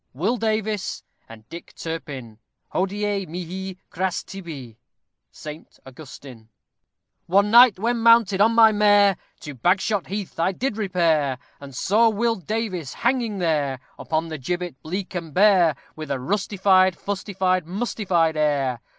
WILL DAVIES AND DICK TURPIN Hodiè mihi, cràs tibi. SAINT AUGUSTIN. One night, when mounted on my mare, To Bagshot Heath I did repair, And saw Will Davies hanging there, Upon the gibbet bleak and bare, _With a rustified, fustified, mustified air!